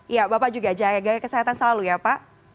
iya bapak juga jaga kesehatan selalu ya pak